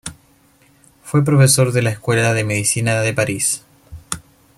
Fue profesor de la escuela de medicina de París.